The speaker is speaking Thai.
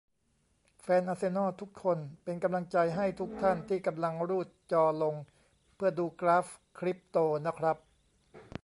แฟนอาร์เซนอล ทุกคน เป็นกำลังใจให้ทุกท่านที่กำลังรูดจอลงเพื่อดูกราฟคริปโตนะครับ